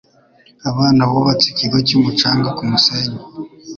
Abana bubatse ikigo cyumucanga kumusenyi.